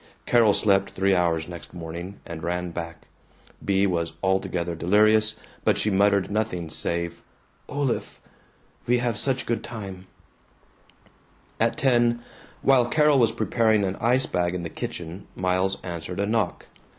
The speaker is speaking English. Carol slept three hours next morning, and ran back. Bea was altogether delirious but she muttered nothing save, "Olaf ve have such a good time " At ten, while Carol was preparing an ice bag in the kitchen, Miles answered a knock.